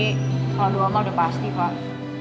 kalo dua mal udah pasti pak